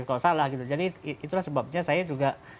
kalau salah gitu jadi itulah sebabnya saya juga